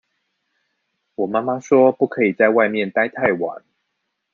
我媽媽說不可以在外面待太晚